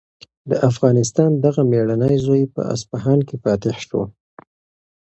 د افغانستان دغه مېړنی زوی په اصفهان کې فاتح شو.